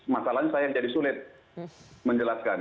masalahnya saya jadi sulit menjelaskan